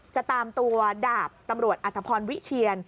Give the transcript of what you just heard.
จะตามตัวดาบตำรวจอัตภพรวิเชียน